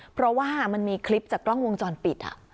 เพราะว่ามันมีคลิปจากกล้องวงจรปิด